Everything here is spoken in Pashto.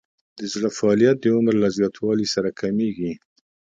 د زړه فعالیت د عمر له زیاتوالي سره کمیږي.